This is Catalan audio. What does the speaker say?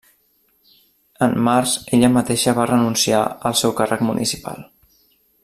En març ella mateixa va renunciar al seu càrrec municipal.